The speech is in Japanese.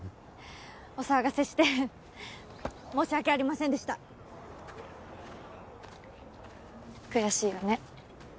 お騒がせして申し訳ありませんでした。悔しいよね。